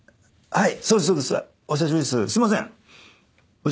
はい。